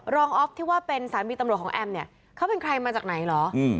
ออฟที่ว่าเป็นสามีตำรวจของแอมเนี่ยเขาเป็นใครมาจากไหนเหรอ